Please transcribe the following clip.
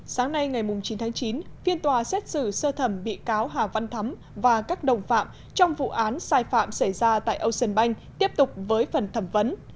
sáng nay ngày chín tháng chín phiên tòa xét xử sơ thẩm bị cáo hà văn thắm và các đồng phạm trong vụ án sai phạm xảy ra tại ocean bank tiếp tục với phần thẩm vấn